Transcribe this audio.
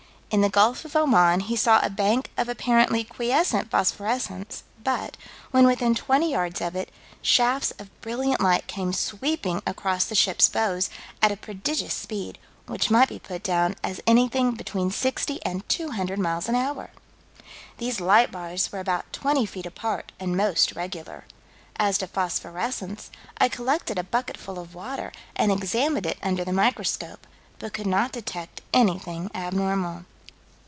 In the Gulf of Oman, he saw a bank of apparently quiescent phosphorescence: but, when within twenty yards of it, "shafts of brilliant light came sweeping across the ship's bows at a prodigious speed, which might be put down as anything between 60 and 200 miles an hour." "These light bars were about 20 feet apart and most regular." As to phosphorescence "I collected a bucketful of water, and examined it under the microscope, but could not detect anything abnormal."